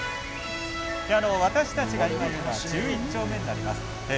私たちが今いるのは１１丁目になります。